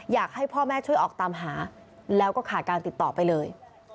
อยากให้พ่อแม่ช่วยออกตามหาแล้วก็ขาดการติดต่อไปเลย